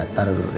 ya taruh dulu deh